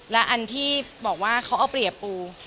และอันที่บอกว่าเขาเอาเปรียบปู